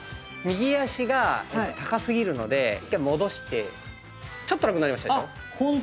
右足が高すぎるので一回戻してちょっと楽になりましたでしょう？